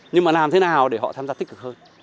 nhưng mà làm thế nào để họ tham gia tích cực hơn